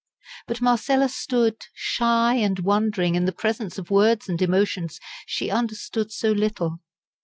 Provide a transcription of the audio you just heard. But Marcella stood, shy and wondering in the presence of words and emotions she understood so little.